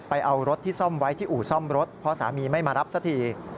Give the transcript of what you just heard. เอารถที่ซ่อมไว้ที่อู่ซ่อมรถเพราะสามีไม่มารับสักที